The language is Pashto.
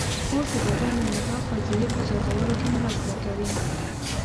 سپورت د بدن د انعطاف پذیرۍ په زیاتولو کې مرسته کوي.